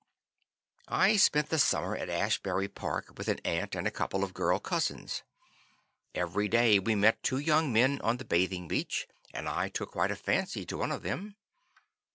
"I spent the summer at Asbury Park with an aunt and a couple of girl cousins. Every day we met two young men on the bathing beach and I took quite a fancy to one of them.